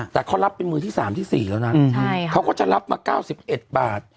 แต่เขารับเป็นมือที่สามที่สี่แล้วนั้นอืมใช่ครับเขาก็จะรับมาเก้าสิบเอ็ดบาท